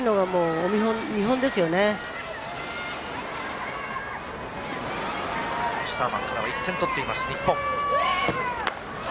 オスターマンからは１点取っています、日本。